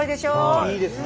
いいですね。